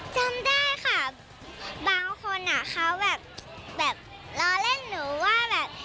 จำได้ค่ะบางคนอ่ะเขาแบบล้อเล่นหนูว่าแบบ